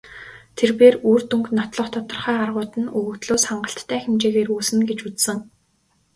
Тэр бээр үр дүнг нотлох тодорхой аргууд нь өгөгдлөөс хангалттай хэмжээгээр үүснэ гэж үзсэн.